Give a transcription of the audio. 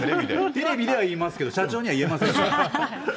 テレビでは言えますけど、社長には言えません。